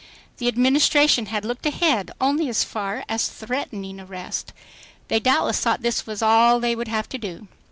The Administration had looked ahead only as far as threatening arrest. They doubtless thought this was all they would have to do.